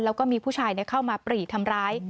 แล้วก็มีผู้ชายเข้ามาปรีดทำร้าย